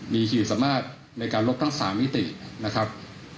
มีขีดสามารถในการลบทั้ง๓มิตินะครับ